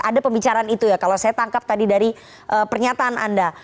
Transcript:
ada pembicaraan itu ya kalau saya tangkap tadi dari pernyataan anda